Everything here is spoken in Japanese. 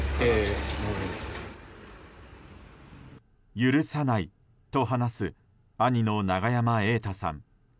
許さないと話す兄の永山瑛太さん。